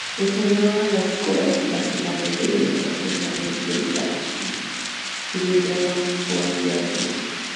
Estudió en las escuelas nacionales de Bellas Artes Manuel Belgrano y Prilidiano Pueyrredón.